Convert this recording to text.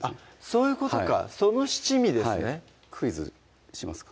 そういうことかその七味ですねクイズしますか？